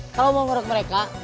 kalau mau ngurut mereka